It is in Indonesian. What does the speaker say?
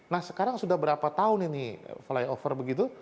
nah sekarang sudah berapa tahun ini flyover begitu